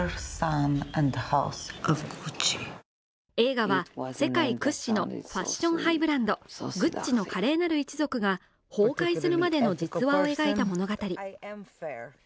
映画は世界屈指のファッションハイブランドグッチの華麗なる一族が崩壊するまでの実話を描いた物語。